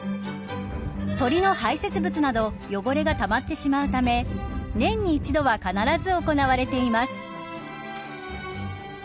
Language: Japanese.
鳥の排せつ物など汚れがたまってしまうため年に一度は必ず行われています。